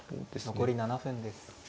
残り７分ですね。